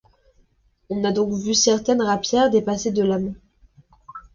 On a donc vu certaines rapières dépasser de lame.